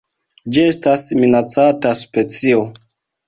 Ĝi estas minacata specio.